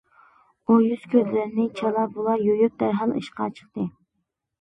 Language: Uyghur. ئۇ يۈز-كۆزلىرىنى چالا-بۇلا يۇيۇپ، دەرھال ئىشقا چىقتى.